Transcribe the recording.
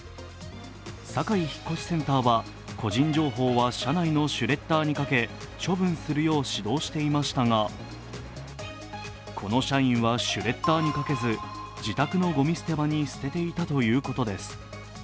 サカイ引越センターは個人情報は社内のシュレッダーにかけ処分するよう指導していましたがこの社員はシュレッダーにかけず自宅のごみ捨て場に捨てていたということです。